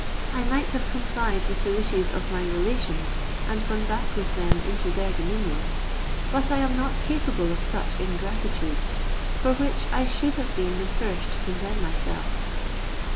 I might have complied with the wishes of my relations, and gone back with them into their dominions; but I am not capable of such ingratitude, for which I should have been the first to condemn myself."